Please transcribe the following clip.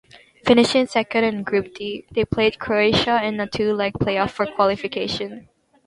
Finishing second in Group D, they played Croatia in a two-leg playoff for qualification.